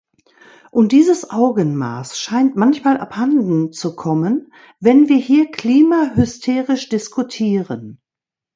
Und dieses Augenmaß scheint manchmal abhanden zu kommen, wenn wir hier klimahysterisch diskutieren.